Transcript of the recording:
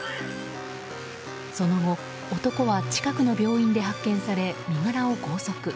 その後、男は近くの病院で発見され身柄を拘束。